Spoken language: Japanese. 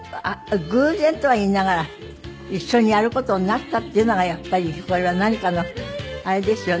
偶然とは言いながら一緒にやる事になったっていうのがやっぱりこれは何かのあれですよね。